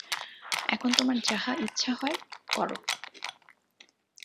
এখন তোমার যাহা ইচ্ছা হয় করো।